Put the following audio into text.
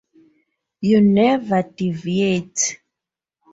You never deviate.